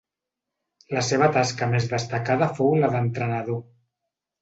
La seva tasca més destacada fou la d'entrenador.